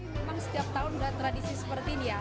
memang setiap tahun sudah tradisi seperti ini ya